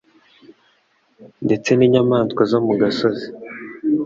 ndetse n’inyamaswa zo mu gasozi